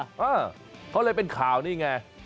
เออเขาเลยเป็นข่าวนี่ไง